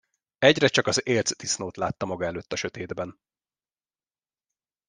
Egyre csak az ércdisznót látta maga előtt a sötétben.